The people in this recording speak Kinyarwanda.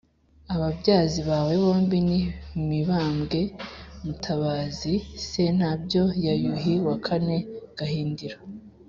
ababyazi bawe bombi: ni mibambwe iii mutabazi ii sentabyo ya yuhi wa kane gahindiro